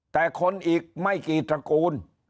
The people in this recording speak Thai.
แต่คนอีกไม่กี่ตระกูล